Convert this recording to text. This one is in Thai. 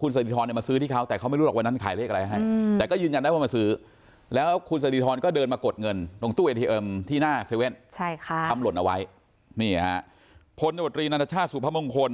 ผลบัตริภังเนินตรฯศูพบังคล